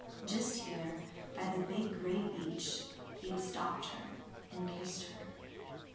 Just here, by the big gray beech, he had stopped her and kissed her.